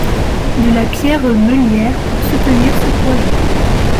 De la pierre meulière pour soutenir ce poids-là…